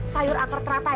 sayur akar teratai